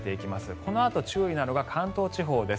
このあと注意なのが関東地方です。